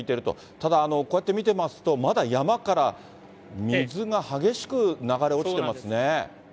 ただ、こうやって見てますと、まだ山から水が激しく流れ落ちてますね。